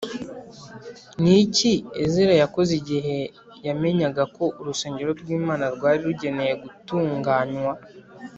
Ni iki Ezira yakoze igihe yamenyaga ko urusengero rw Imana rwari rukeneye gutunganywa